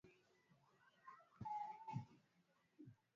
mwishoni mwa Februari